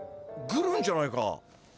グルンじゃないか。